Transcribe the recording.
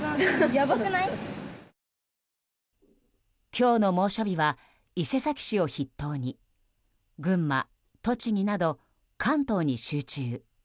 今日の猛暑日は伊勢崎市を筆頭に群馬、栃木など関東に集中。